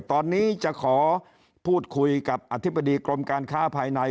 ตอนนี้จะขอพูดคุยกับอธิบดีกรมการค้าภายใน